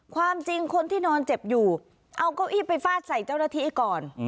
ความจริงคนที่นอนเจ็บอยู่เอาเก้าอี้ไปฟาดใส่เจ้าหน้าที่ก่อน